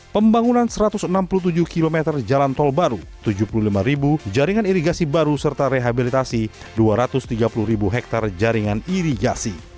penyelesaian irigasi baru serta rehabilitasi dua ratus tiga puluh ribu hektare jaringan irigasi